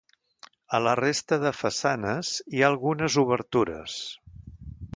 A la resta de façanes hi ha algunes obertures.